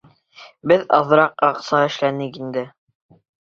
Беҙ аҙыраҡ аҡса эшләнек инде.